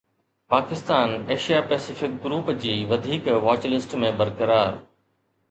Pakistan Asia Pacific group جي وڌيڪ watch list ۾ برقرار